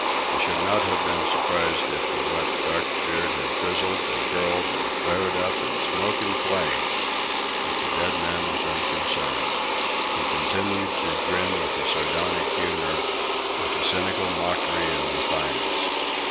I should not have been surprised if the wet black beard had frizzled and curled and flared up in smoke and flame. But the dead man was unconcerned. He continued to grin with a sardonic humour, with a cynical mockery and defiance.